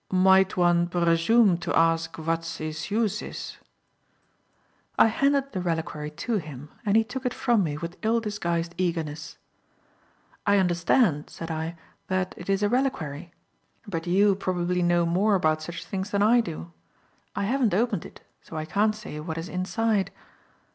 "Might one bresume to ask vat it's use is?" I handed the reliquary to him and he took it from me with ill disguised eagerness. "I understand," said I, "that it is a reliquary. But you probably know more about such things than I do. I haven't opened it so I can't say what is inside."